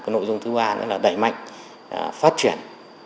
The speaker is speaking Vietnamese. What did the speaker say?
nội dung thứ ba nữa là đẩy mạnh phát triển